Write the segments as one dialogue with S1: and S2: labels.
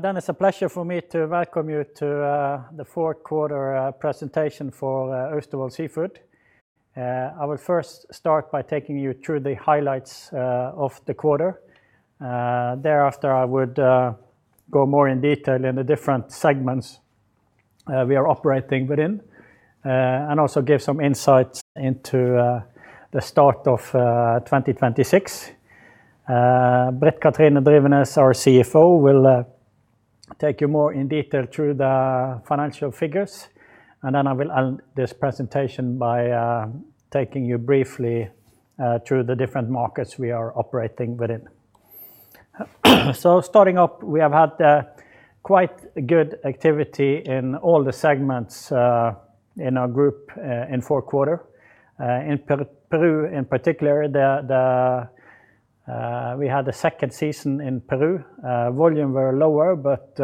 S1: It's a pleasure for me to welcome you to the fourth quarter presentation for Austevoll Seafood. I will first start by taking you through the highlights of the quarter. Thereafter, I would go more in detail in the different segments we are operating within, and also give some insights into the start of 2026. Britt Kathrine Drivenes, our CFO, will take you more in detail through the financial figures, and then I will end this presentation by taking you briefly through the different markets we are operating within. Starting up, we have had quite good activity in all the segments in our group in four quarter. In Peru, in particular, we had the second season in Peru. Volume were lower, but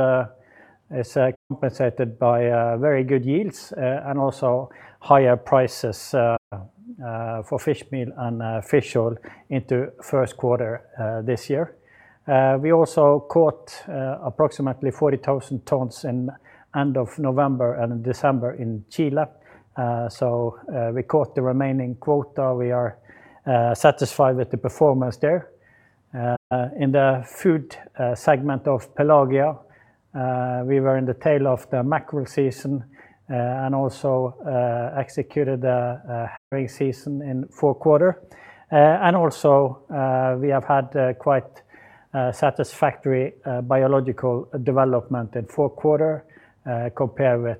S1: is compensated by very good yields and also higher prices for fish meal and fish oil into first quarter this year. We also caught approximately 40,000 tons in end of November and December in Chile. So we caught the remaining quota. We are satisfied with the performance there. In the food segment of Pelagia, we were in the tail of the mackerel season and also executed the herring season in Q4. And also we have had quite satisfactory biological development in Q4 compared with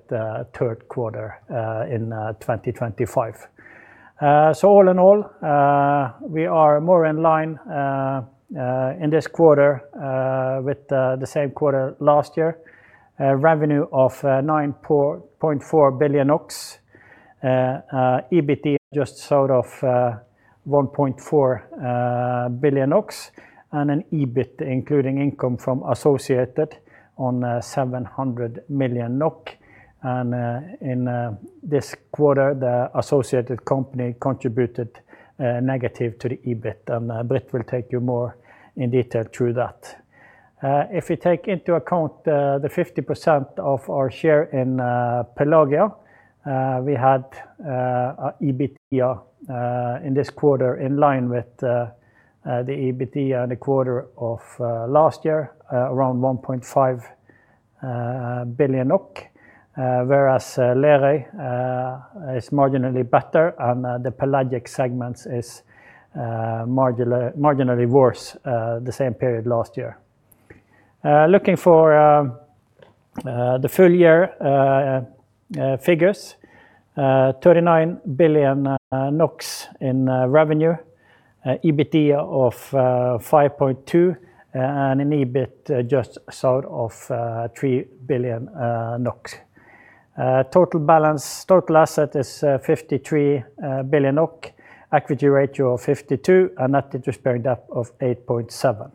S1: third quarter in 2025. So all in all, we are more in line in this quarter with the same quarter last year. Revenue of 9.4 billion NOK. EBITDA just 1.4 billion NOK, and an EBIT, including income from associated, 700 million NOK. In this quarter, the associated company contributed negative to the EBIT, and Britt will take you more in detail through that. If you take into account the 50% of our share in Pelagia, we had EBITDA in this quarter in line with the EBITDA in the quarter of last year, around 1.5 billion NOK, whereas Lerøy is marginally better and the pelagic segments is marginally worse, the same period last year. Looking for the full year figures, NOK 39 billion in revenue, EBITDA of 5.2, and an EBIT just sort of 3 billion NOK. Total balance, total asset is 53 billion NOK, equity ratio of 52, and net interest-bearing debt of 8.7.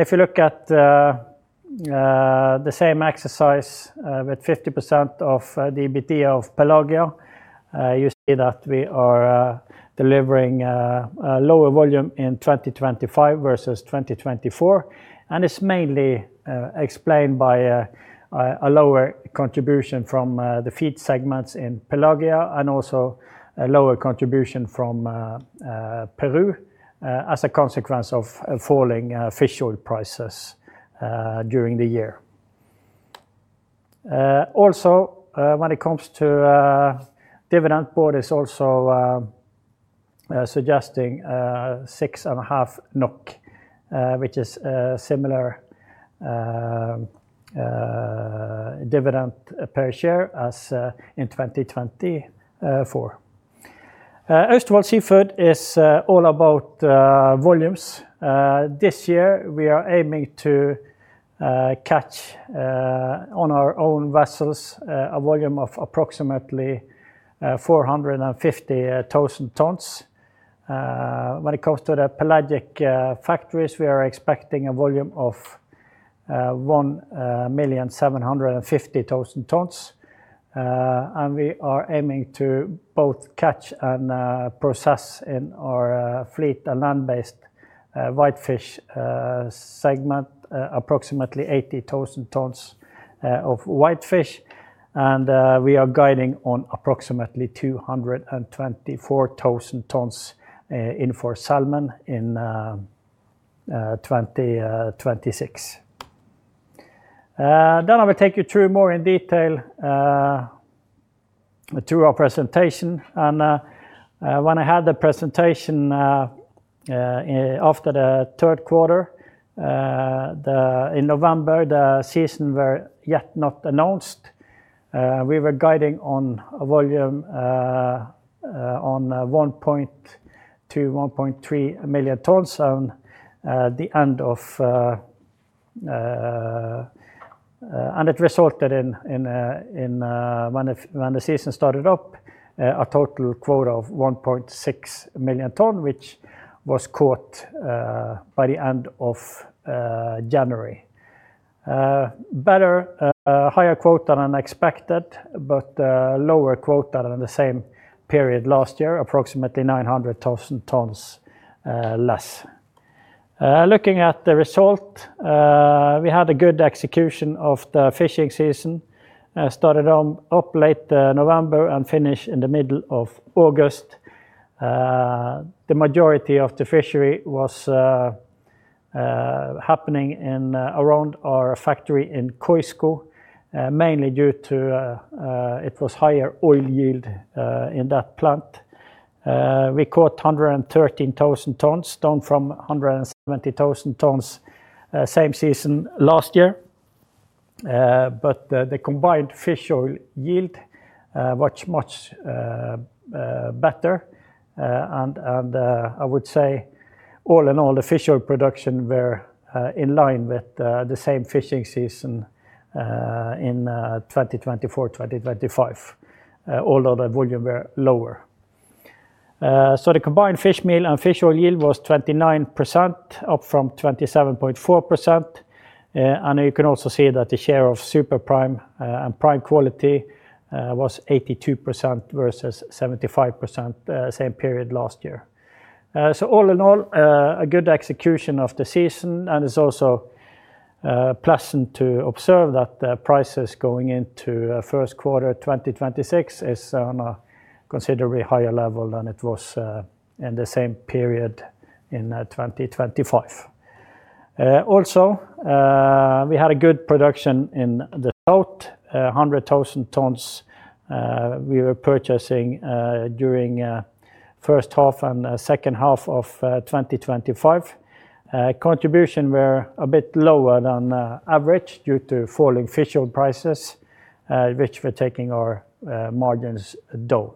S1: If you look at the same exercise with 50% of the EBITDA of Pelagia, you see that we are delivering a lower volume in 2025 versus 2024. It's mainly explained by a lower contribution from the feed segments in Pelagia, and also a lower contribution from Peru as a consequence of a falling fish oil prices during the year. Uh, also, uh, when it comes to, uh, dividend board is also, uh, uh, suggesting, uh, six and a half NOK, uh, which is a similar, um, uh, dividend per share as, uh, in twenty twenty, uh, four. Uh, Austevoll Seafood is, uh, all about, uh, volumes. Uh, this year, we are aiming to, uh, catch, uh, on our own vessels, uh, a volume of approximately, uh, four hundred and fifty, uh, thousand tons. Uh, when it comes to the pelagic, uh, factories, we are expecting a volume of, uh, one, uh, million, seven hundred and fifty thousand tons. Uh, and we are aiming to both catch and, uh, process in our, uh, fleet and land-based, uh, whitefish, uh, segment, uh, approximately eighty thousand tons, uh, of whitefish. We are guiding on approximately 224,000 tons in for salmon in 2026. I will take you through more in detail through our presentation. When I had the presentation after the third quarter, in November, the season were yet not announced. We were guiding on a volume on 1.0-1.3 million tons the end of. It resulted in when the season started up a total quota of 1.6 million ton, which was caught by the end of January. Better, higher quota than expected, but lower quota than the same period last year, approximately 900,000 tons less. Looking at the result, we had a good execution of the fishing season. Started up late November, and finished in the middle of August. The majority of the fishery was happening in around our factory in Coishco, mainly due to it was higher oil yield in that plant. We caught 113,000 tons, down from 170,000 tons, same season last year. The combined fish oil yield was much better. I would say all in all, the fish oil production were in line with the same fishing season in 2024, 2025, although the volume were lower. The combined fish meal and fish oil yield was 29%, up from 27.4%. You can also see that the share of super prime and prime quality was 82% versus 75% same period last year. All in all, a good execution of the season, and it's also pleasant to observe that the prices going into first quarter 2026 is on a considerably higher level than it was in the same period in 2025. Also, we had a good production in the South. 100,000 tons, we were purchasing during first half and second half of 2025. Contribution were a bit lower than average, due to falling fish oil prices, which were taking our margins down.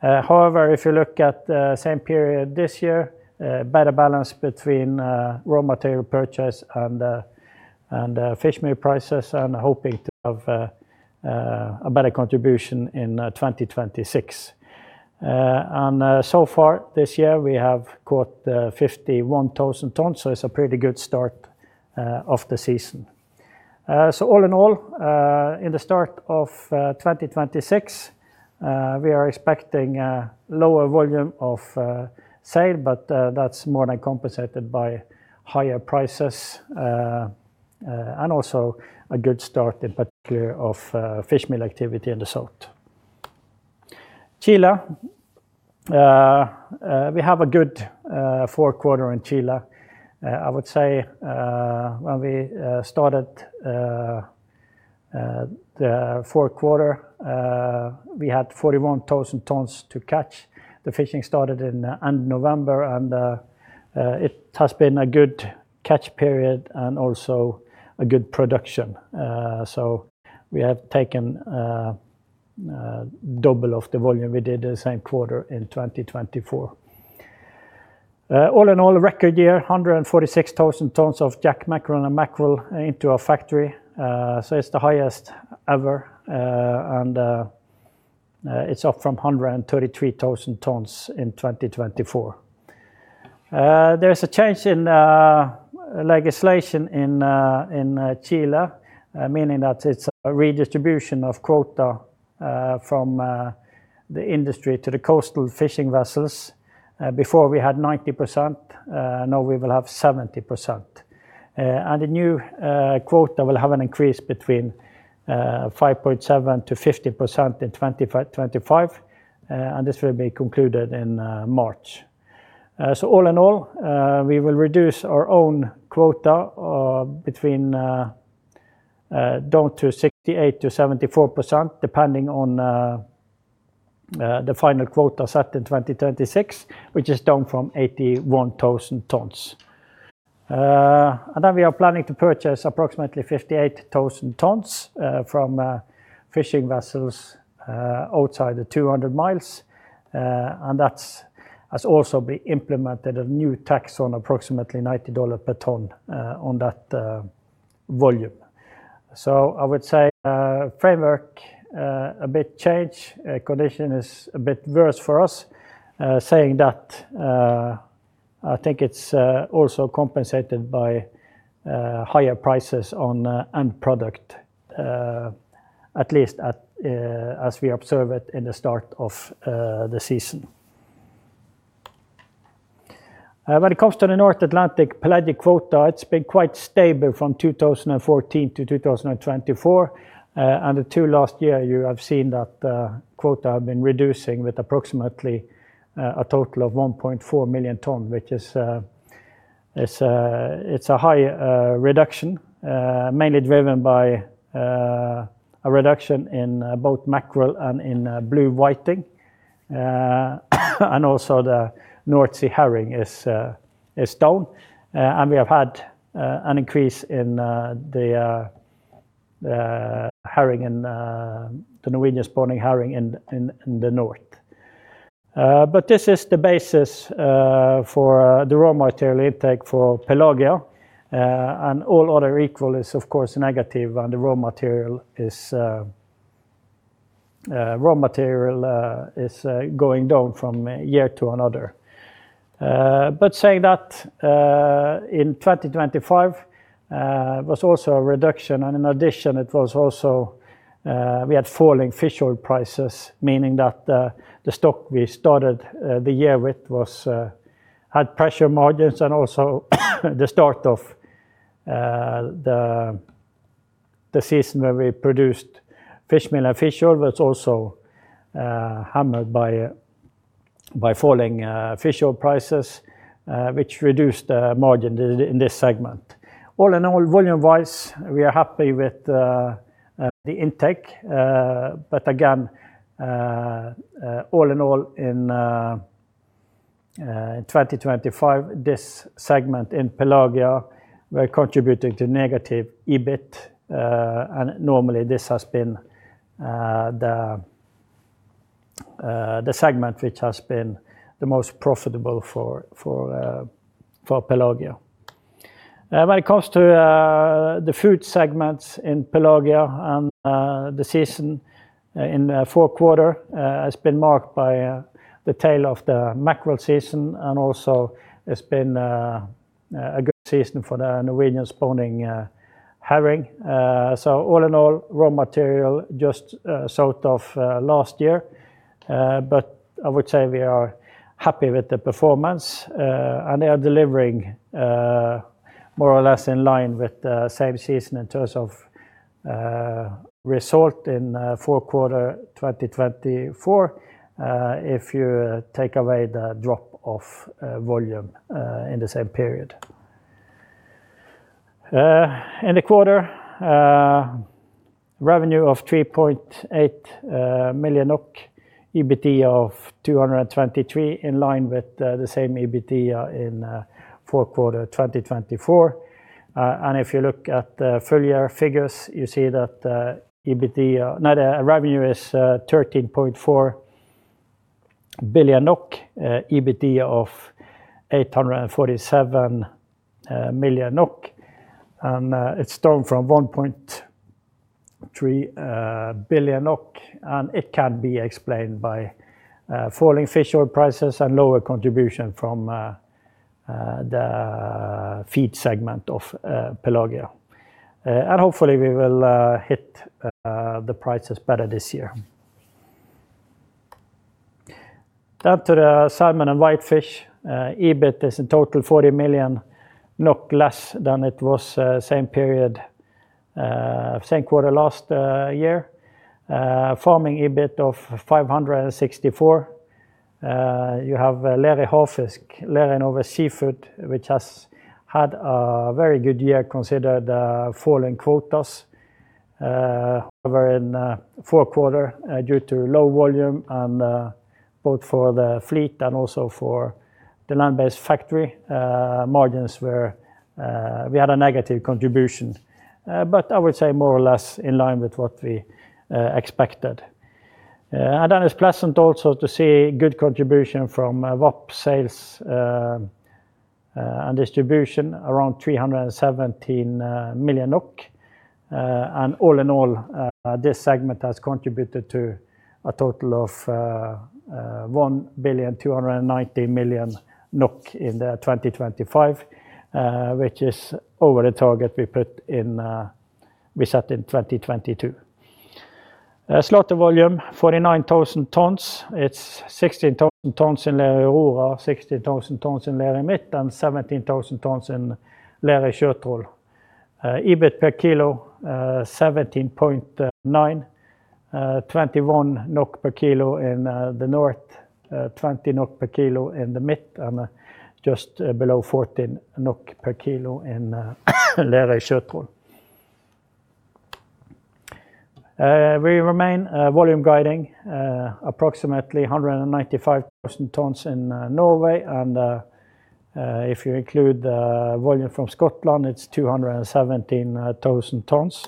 S1: However, if you look at the same period this year, better balance between raw material purchase and fish meal prices, and hoping to have a better contribution in 2026. So far this year, we have caught 51,000 tons, so it's a pretty good start of the season. All in all, in the start of 2026, we are expecting a lower volume of sale, but that's more than compensated by higher prices and also a good start in particular of fish meal activity in the South. Chile. We have a good fourth quarter in Chile. I would say when we started the fourth quarter, we had 41,000 tons to catch. The fishing started in end November, and it has been a good catch period and also a good production. So we have taken double of the volume we did the same quarter in 2024. All in all, a record year, 146,000 tons of jack mackerel and mackerel into our factory. It's the highest ever, and it's up from 133,000 tons in 2024. There is a change in legislation in Chile, meaning that it's a redistribution of quota from the industry to the coastal fishing vessels. Before we had 90%, now we will have 70%. The new quota will have an increase between 5.7%-50% in 2025, and this will be concluded in March. All in all, we will reduce our own quota between down to 68%-74%, depending on the final quota set in 2026, which is down from 81,000 tons. We are planning to purchase approximately 58,000 tons from fishing vessels outside the 200 miles. That's, has also been implemented, a new tax on approximately $90 per ton on that volume. I would say framework a bit change, condition is a bit worse for us. Saying that, I think it's also compensated by higher prices on end product, at least at as we observe it in the start of the season. When it comes to the North Atlantic pelagic quota, it's been quite stable from 2014 to 2024. And the two last year, you have seen that quota have been reducing with approximately a total of 1.4 million tons, which is a high reduction, mainly driven by a reduction in both mackerel and in blue whiting. And also the North Sea herring is down. And we have had an increase in the herring in the Norwegian spring-spawning herring in the north. But this is the basis for the raw material intake for Pelagia, and all other equal is, of course, negative, and the raw material is raw material is going down from year to another. Uh, but saying that, uh, in twenty twenty-five, uh, was also a reduction, and in addition, it was also, uh, we had falling fish oil prices, meaning that, uh, the stock we started, uh, the year with was, uh, had pressure margins and also, the start of, uh, the-... The season where we produced fishmeal and fish oil was also, uh, hammered by, by falling, uh, fish oil prices, uh, which reduced the margin in, in this segment. All in all, volume-wise, we are happy with the, uh, the intake. Uh, but again, uh, uh, all in all, in, uh, uh, in twenty twenty-five, this segment in Pelagia were contributing to negative EBIT. Uh, and normally this has been, uh, the, uh, the segment which has been the most profitable for, for, uh, for Pelagia. When it comes to the food segments in Pelagia and the season in the fourth quarter has been marked by the tail of the mackerel season, and also it's been a good season for the Norwegian spring-spawning herring. All in all, raw material just sort of last year. I would say we are happy with the performance and they are delivering more or less in line with the same season in terms of result in Q4 2024, if you take away the drop of volume in the same period. In the quarter, revenue of 3.8 million NOK, EBIT of 223 million, in line with the same EBIT in Q4 2024. If you look at the full year figures, you see that EBIT, no, the revenue is 13.4 billion NOK, EBIT of 847 million NOK. It's down from 1.3 billion NOK, and it can be explained by falling fish oil prices and lower contribution from the feed segment of Pelagia. Hopefully we will hit the prices better this year. Down to the Salmon and Whitefish. EBIT is in total 40 million less than it was same period, same quarter last year. Farming EBIT of 564. You have Lerøy Havfisk, Lerøy Norway Seafoods, which has had a very good year, considering the falling quotas. Uh, however, in, uh, four quarter, uh, due to low volume and, uh, both for the fleet and also for the land-based factory, uh, margins were, uh, we had a negative contribution. Uh, but I would say more or less in line with what we, uh, expected. Uh, and then it's pleasant also to see good contribution from, uh, VAP sales, uh, uh, and distribution around three hundred and seventeen, uh, million NOK. Uh, and all in all, uh, this segment has contributed to a total of, uh, uh, one billion two hundred and ninety million NOK in the twenty twenty-five, uh, which is over the target we put in, uh, we set in twenty twenty-two. Uh, slaughter volume, forty-nine thousand tons. It's sixteen thousand tons in Lerøy Aurora, sixteen thousand tons in Lerøy Midt, and seventeen thousand tons in Lerøy Skjoldel. EBIT per kilo, 17.9, 21 NOK per kilo in the north, 20 NOK per kilo in the mid, and just below 14 NOK per kilo in Lerøy Sjøtroll. We remain volume guiding approximately 195,000 tons in Norway, and if you include the volume from Scotland, it's 217,000 tons.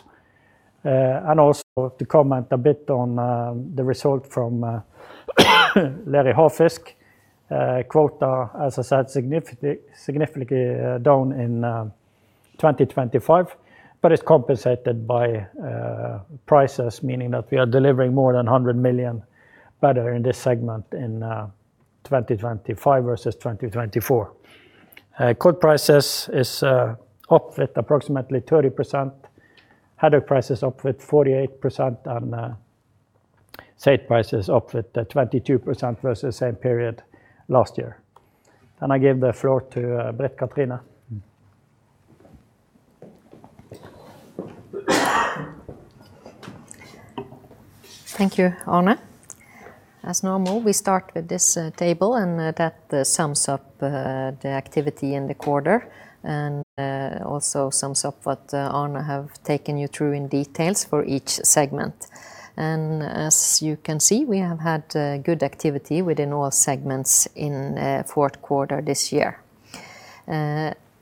S1: And also to comment a bit on the result from Lerøy Havfisk. Quota, as I said, significantly down in 2025, but it's compensated by prices, meaning that we are delivering more than 100 million better in this segment in 2025 versus 2024. cod prices is up at approximately 30%, haddock prices up with 48%, saithe prices up with 22% versus same period last year. I give the floor to Britt Katrine. Thank you, Arne. As normal, we start with this table, that sums up the activity in the quarter and also sums up what Arne have taken you through in details for each segment. As you can see, we have had good activity within all segments in Q4 this year.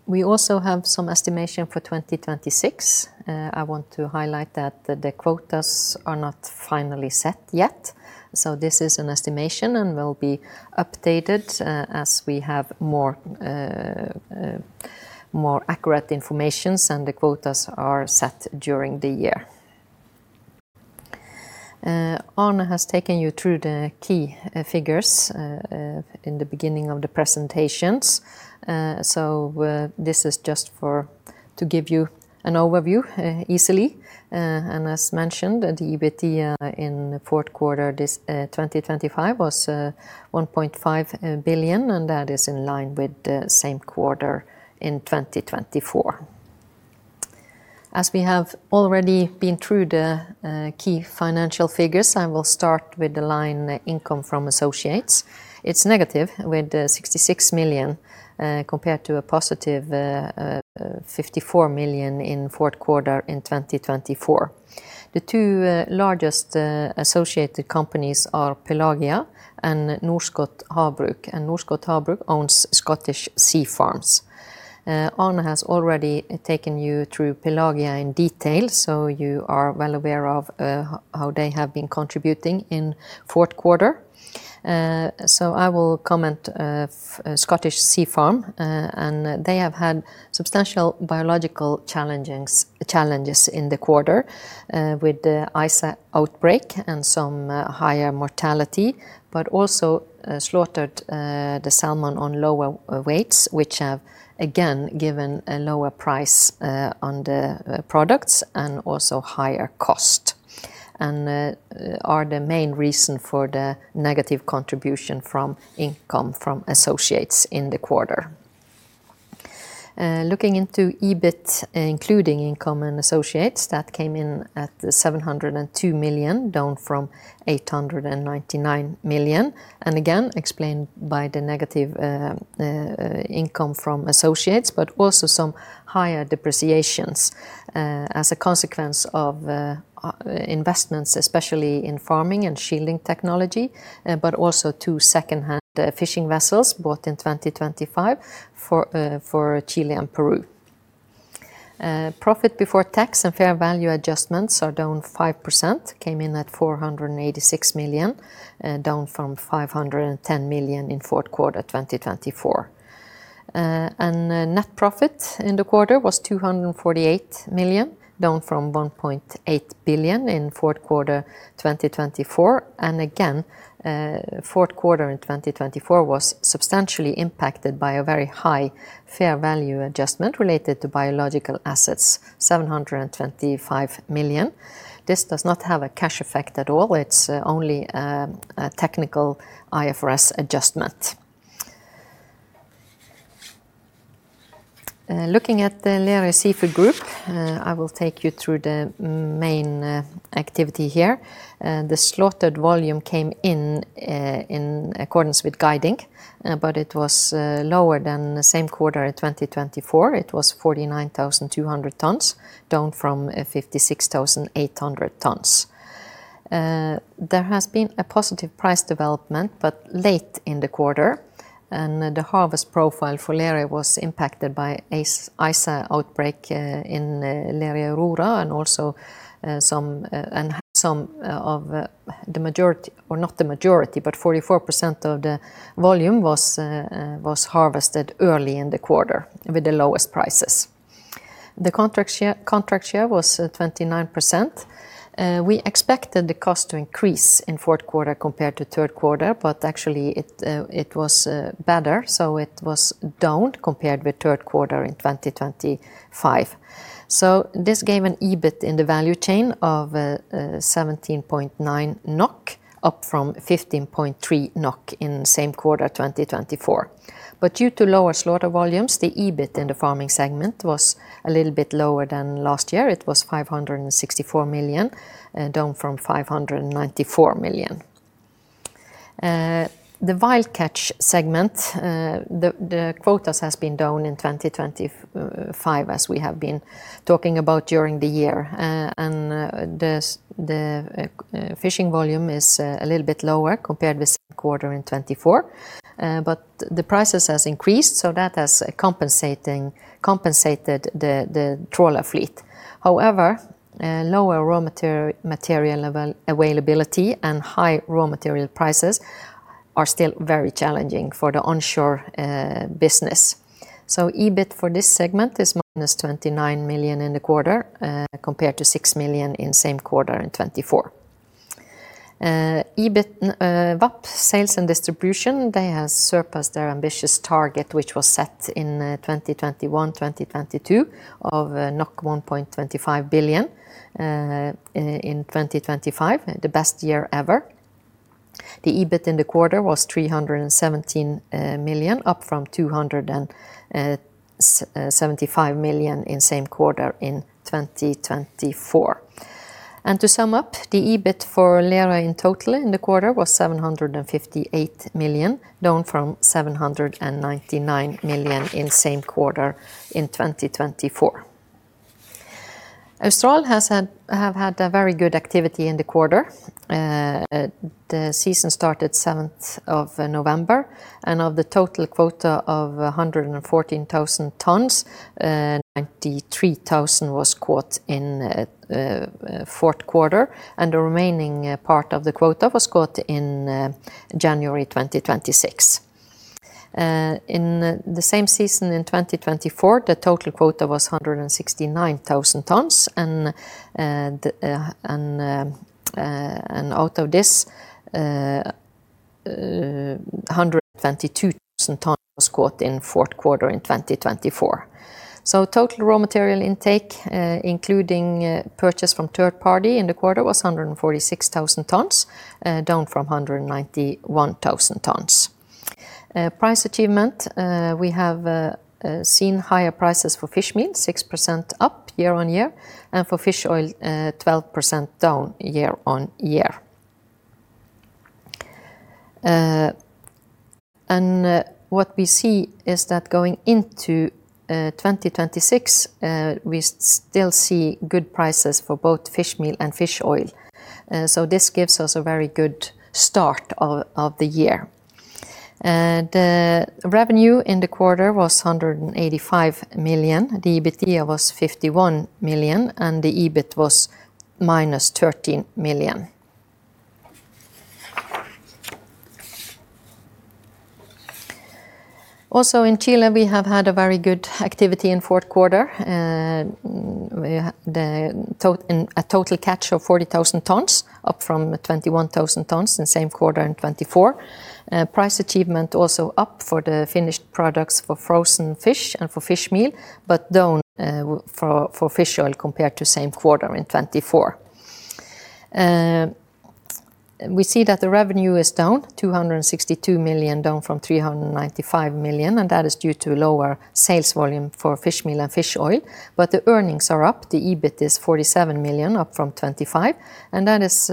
S1: We also have some estimation for 2026. I want to highlight that the quotas are not finally set yet. This is an estimation and will be updated as we have more more accurate informations, and the quotas are set during the year. Arne has taken you through the key figures in the beginning of the presentations. This is just to give you an overview easily.
S2: As mentioned, the EBIT in the fourth quarter, this 2025, was 1.5 billion, and that is in line with the same quarter in 2024. As we have already been through the key financial figures, I will start with the line income from associates. It's negative with 66 million, compared to a positive 54 million in fourth quarter in 2024. The two largest associated companies are Pelagia and Norskott Havbruk, and Norskott Havbruk owns Scottish Sea Farms. Arne has already taken you through Pelagia in detail, so you are well aware of how they have been contributing in fourth quarter. I will comment Scottish Sea Farms. They have had substantial biological challenges in the quarter, with the ISA outbreak and some higher mortality, but also slaughtered the salmon on lower weights, which have again given a lower price on the products and also higher cost, are the main reason for the negative contribution from income from associates in the quarter. Looking into EBIT, including income and associates, that came in at 702 million, down from 899 million, explained by the negative income from associates, but also some higher depreciations as a consequence of investments, especially in farming and chilling technology, but also two secondhand fishing vessels bought in 2025 for Chile and Peru. Profit before tax and fair value adjustments are down 5%, came in at 486 million, down from 510 million in fourth quarter 2024. Net profit in the quarter was 248 million, down from 1.8 billion in fourth quarter 2024. Fourth quarter in 2024 was substantially impacted by a very high fair value adjustment related to biological assets, 725 million. This does not have a cash effect at all. It's only a technical IFRS adjustment. Looking at the Lerøy Seafood Group, I will take you through the main activity here. The slaughtered volume came in in accordance with guiding, but it was lower than the same quarter in 2024. It was 49,200 tons, down from 56,800 tons. There has been a positive price development, but late in the quarter, and the harvest profile for Lerøy was impacted by ISA outbreak, in Lerøy Aurora, and also, some, and some, of, the majority, or not the majority, but 44% of the volume was harvested early in the quarter with the lowest prices. The contract share was 29%. We expected the cost to increase in fourth quarter compared to third quarter, but actually it was better, so it was down compared with third quarter in 2025. This gave an EBIT in the value chain of 17.9 NOK, up from 15.3 NOK in the same quarter, 2024. Due to lower slaughter volumes, the EBIT in the farming segment was a little bit lower than last year. It was 564 million, down from 594 million. The wild catch segment, the quotas has been down in 2025, as we have been talking about during the year. The fishing volume is a little bit lower compared with second quarter in 2024. The prices has increased, so that has compensated the trawler fleet. However, lower raw material availability and high raw material prices are still very challenging for the onshore business. EBIT for this segment is minus 29 million in the quarter, compared to 6 million in same quarter in 2024. EBIT, VAP Sales and Distribution, they have surpassed their ambitious target, which was set in 2021, 2022, of 1.25 billion in 2025, the best year ever. The EBIT in the quarter was 317 million, up from 275 million in same quarter in 2024. To sum up, the EBIT for Gjerde in total in the quarter was 758 million, down from 799 million in same quarter in 2024. Austral have had a very good activity in the quarter. The season started seventh of November, and of the total quota of 114,000 tons, 93,000 was caught in fourth quarter, and the remaining part of the quota was caught in January 2026. In the same season in 2024, the total quota was 169,000 tons, and out of this, 122,000 tons was caught in fourth quarter in 2024. Total raw material intake, including purchase from third party in the quarter, was 146,000 tons, down from 191,000 tons. Price achievement, we have seen higher prices for fishmeal, 6% up year-on-year, and for fish oil, 12% down year-on-year. What we see is that going into 2026, we still see good prices for both fishmeal and fish oil. This gives us a very good start of the year. The revenue in the quarter was 185 million, the EBITDA was 51 million, and the EBIT was minus 13 million. Also, in Chile, we have had a very good activity in fourth quarter. We had a total catch of 40,000 tons, up from 21,000 tons in the same quarter in 2024. Price achievement also up for the finished products for frozen fish and for fishmeal, but down for fish oil compared to same quarter in 2024. We see that the revenue is down, 262 million, down from 395 million, and that is due to lower sales volume for fishmeal and fish oil. The earnings are up. The EBIT is 47 million, up from 25, and that is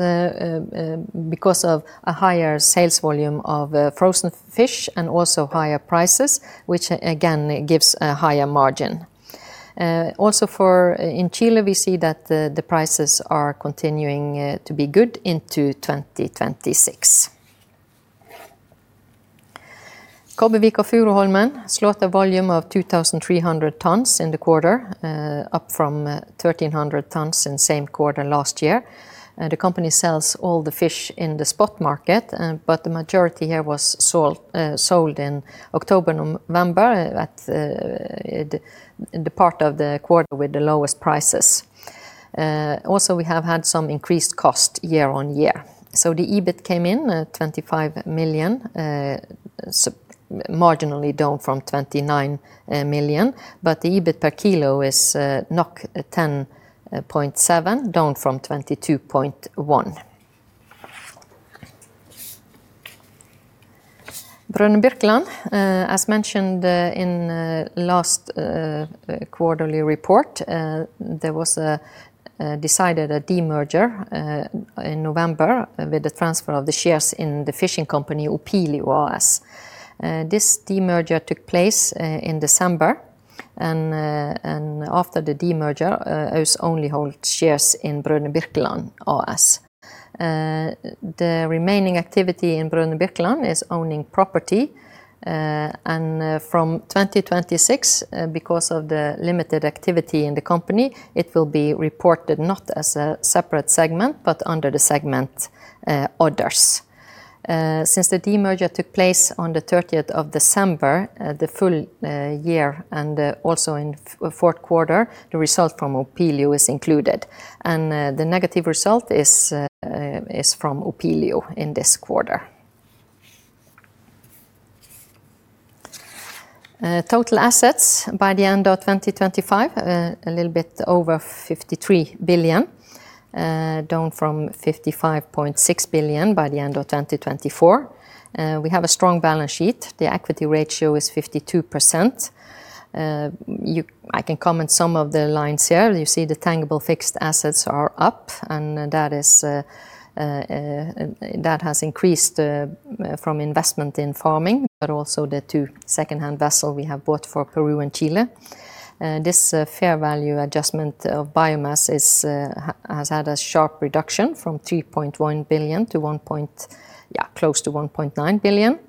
S2: because of a higher sales volume of frozen fish and also higher prices, which again, gives a higher margin. Also in Chile, we see that the prices are continuing to be good into 2026. Kobbevik & Furuholmen, slaughter volume of 2,300 tons in the quarter, up from 1,300 tons in the same quarter last year. The company sells all the fish in the spot market, but the majority here was sold in October, November, at the part of the quarter with the lowest prices. Also, we have had some increased cost year-on-year. The EBIT came in at 25 million, marginally down from 29 million, but the EBIT per kilo is 10.7, down from 22.1. Brønnbåt Nord AS, as mentioned in last quarterly report, there was a decided demerger in November with the transfer of the shares in the fishing company, Opilio AS. This demerger took place in December, and after the demerger, Øys only hold shares in Brønnbåt Nord AS. The remaining activity in Brønnøysundbilan AS is owning property, and from 2026, because of the limited activity in the company, it will be reported not as a separate segment, but under the segment, others. Since the demerger took place on the 30th of December, the full year and also in Q4, the result from Opelio AS is included, and the negative result is from Opelio AS in this quarter. Total assets by the end of 2025, a little bit over 53 billion, down from 55.6 billion by the end of 2024. We have a strong balance sheet. The equity ratio is 52%. I can comment some of the lines here. You see the tangible fixed assets are up, that is, that has increased from investment in farming, but also the two secondhand vessel we have bought for Peru and Chile. This, fair value adjustment of biomass is, has had a sharp reduction from 3.1 billion to Yeah, close to 1.9 billion.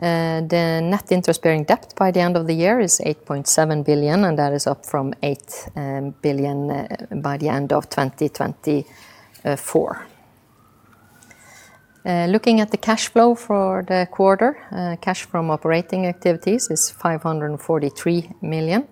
S2: The net interest-bearing debt by the end of the year is 8.7 billion, that is up from 8 billion by the end of 2024. Looking at the cash flow for the quarter, cash from operating activities is 543 million.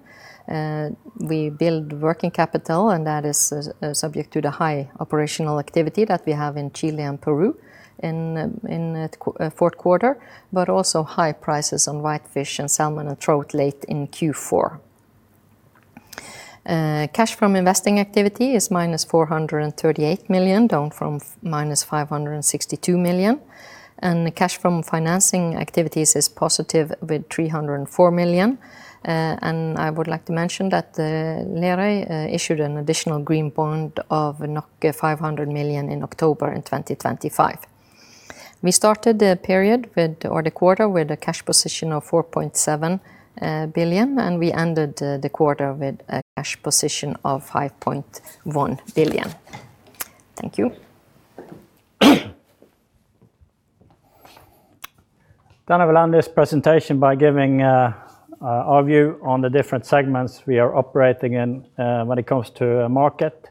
S2: We build working capital, and that is subject to the high operational activity that we have in Chile and Peru in fourth quarter, but also high prices on whitefish and salmon and trout late in Q4. Cash from investing activity is -438 million, down from -562 million. The cash from financing activities is positive with 304 million. I would like to mention that Lerøy issued an additional green bond of 500 million in October in 2025. We started the period or the quarter with a cash position of 4.7 billion, and we ended the quarter with a cash position of 5.1 billion. Thank you.
S1: I will end this presentation by giving our view on the different segments we are operating in when it comes to market.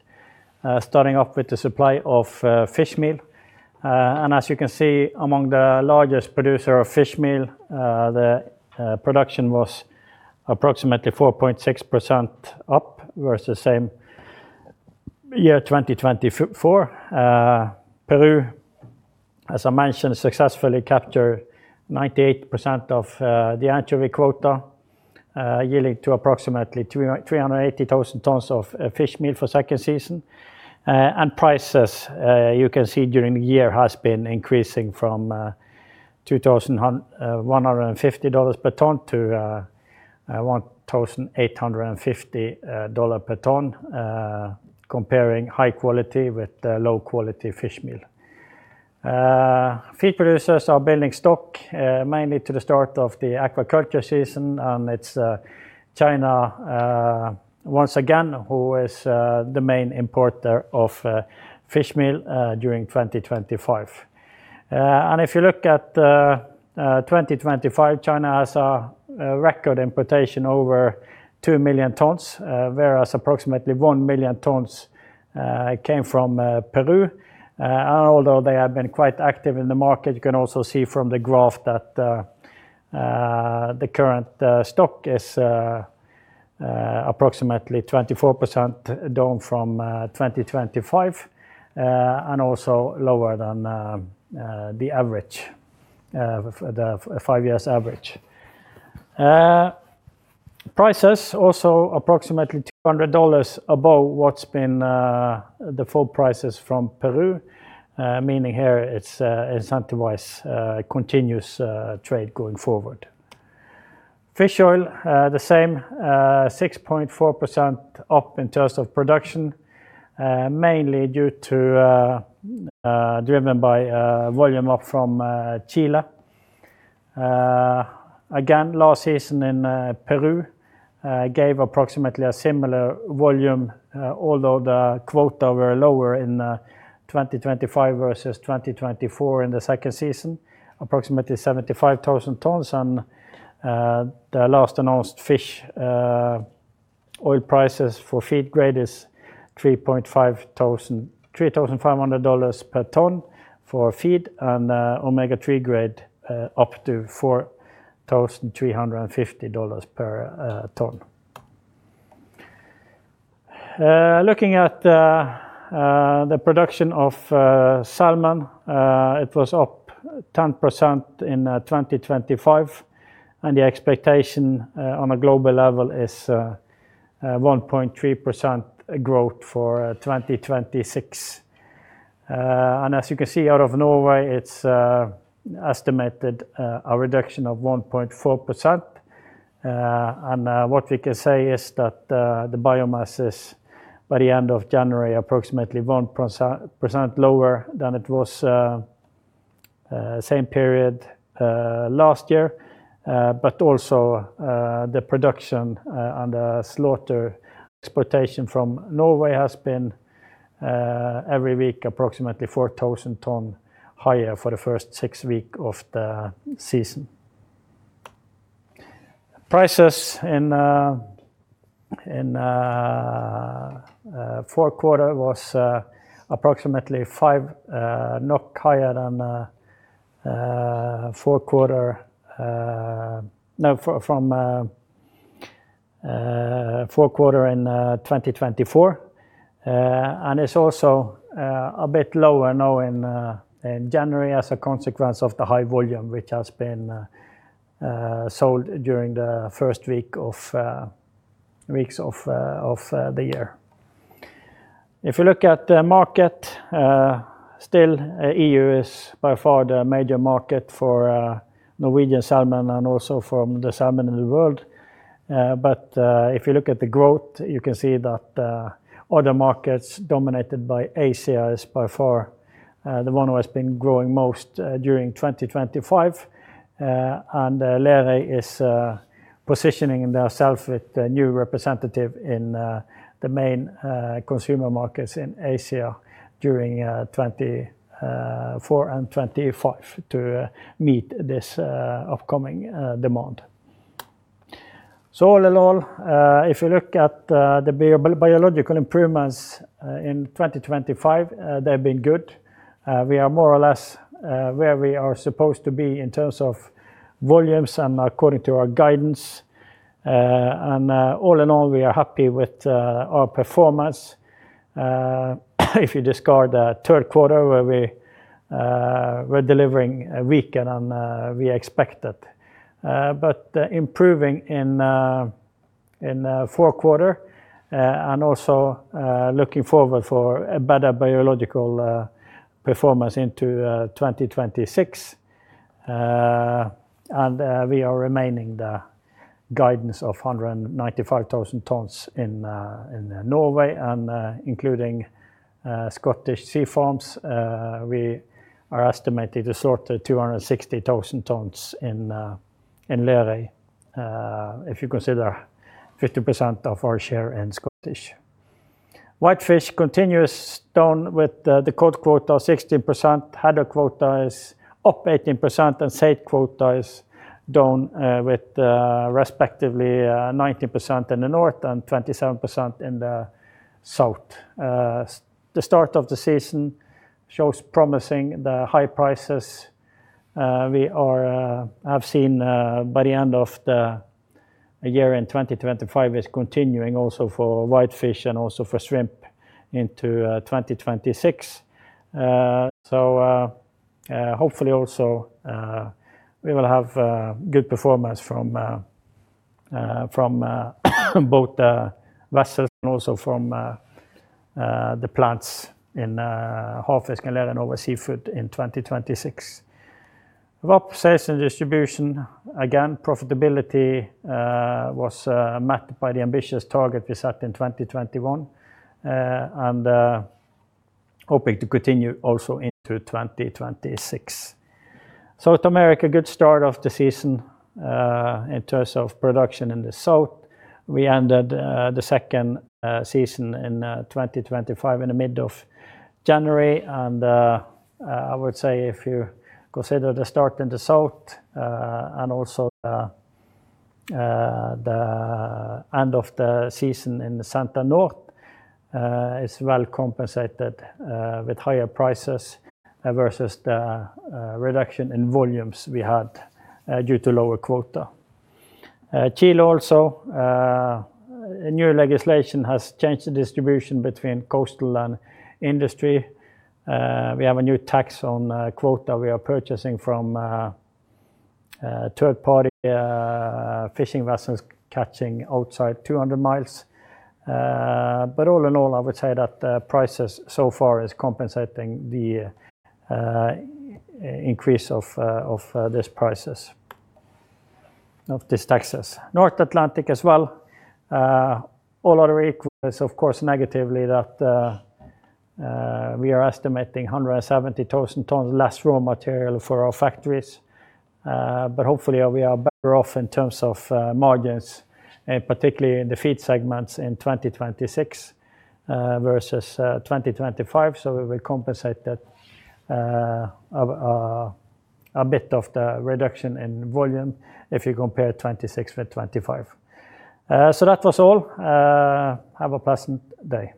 S1: Starting off with the supply of fishmeal. As you can see, among the largest producer of fishmeal, the production was approximately 4.6% up versus the same year, 2024. Peru, as I mentioned, successfully capture 98% of the anchovy quota, yielding to approximately 380,000 tons of fishmeal for second season. Prices, you can see during the year has been increasing from $2,150 per ton to $1,850 per ton, comparing high quality with low-quality fishmeal. Feed producers are building stock mainly to the start of the aquaculture season, and it's China once again, who is the main importer of fish meal during 2025. If you look at 2025, China has a record importation over 2 million tons, whereas approximately 1 million tons came from Peru. Although they have been quite active in the market, you can also see from the graph that the current stock is approximately 24% down from 2025, and also lower than the average, the 5 years average. Prices also approximately $200 above what's been the full prices from Peru, meaning here it's incentivized continuous trade going forward. Fish oil, the same, 6.4% up in terms of production, mainly due to, driven by, volume up from Chile. Again, last season in Peru gave approximately a similar volume, although the quota were lower in 2025 versus 2024 in the second season, approximately 75,000 tons. The last announced fish oil prices for feed grade is $3,500 per ton for feed, and omega-3 grade up to $4,350 per ton. Looking at the production of salmon, it was up 10% in 2025, and the expectation on a global level is 1.3% growth for 2026. As you can see, out of Norway, it's estimated a reduction of 1.4%. What we can say is that the biomass is, by the end of January, approximately 1% lower than it was same period last year. Also, the production and the slaughter exportation from Norway has been every week, approximately 4,000 tons higher for the first six weeks of the season. Prices in Q4 was approximately five, not higher than Q4. No, from Q4 in 2024. It's also a bit lower now in January as a consequence of the high volume, which has been sold during the first weeks of the year. If you look at the market, still EU is by far the major market for Norwegian salmon and also from the salmon in the world. If you look at the growth, you can see that other markets dominated by Asia is by far the one who has been growing most during 2025. Lerøy is positioning themselves with a new representative in the main consumer markets in Asia during 2024 and 2025, to meet this upcoming demand. All in all, if you look at biological improvements in 2025, they've been good. We are more or less where we are supposed to be in terms of volumes and according to our guidance. All in all, we are happy with our performance, if you discard the third quarter, where we were delivering weaker than we expected. Improving in four quarter, and also looking forward for a better biological performance into 2026. We are remaining the guidance of 195,000 tons in Norway, and including Scottish Sea Farms. We are estimated to sort 260,000 tons in Lerøy, if you consider 50% of our share in Scottish. Whitefish continues down with the cod quota of 16%, Haddock quota is up 18%, and saithe quota is down with respectively 19% in the north and 27% in the south. The start of the season shows promising the high prices. We have seen by the end of the year in 2025, is continuing also for whitefish and also for shrimp into 2026. Hopefully also, we will have good performance from both vessels and also from the plants in Havfisk and Lerøy Seafood in 2026. VAP Sales and Distribution, again, profitability was met by the ambitious target we set in 2021, and hoping to continue also into 2026. South America, good start of the season in terms of production in the south. We ended the second season in 2025, in the middle of January, I would say if you consider the start in the south and also the end of the season in the center north is well compensated with higher prices versus the reduction in volumes we had due to lower quota. Chile also a new legislation has changed the distribution between coastal and industry. We have a new tax on quota we are purchasing from third-party fishing vessels catching outside 200 miles. All in all, I would say that the prices so far is compensating the increase of these prices, of these taxes. North Atlantic as well, all other equals, of course, negatively, that we are estimating 170,000 tons less raw material for our factories. Hopefully, we are better off in terms of margins, particularly in the feed segments in 2026 versus 2025. We will compensate that of a bit of the reduction in volume if you compare 26 with 25. That was all. Have a pleasant day!